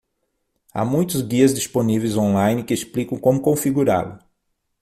Há muitos guias disponíveis on-line que explicam como configurá-lo.